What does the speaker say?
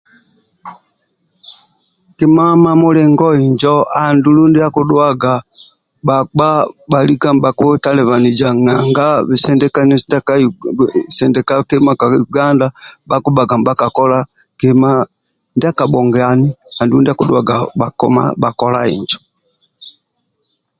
Kima mamulingoningo injo andulu ndia akidhuwaga bhakpa bhalika nibhakitalibanija nanga sindikananio sindika kima kima ka uganda bhakibhaga nibha ka kakola kima ndia kabhongani andulu ndia akidhuaga bhakoma bhakola kima injo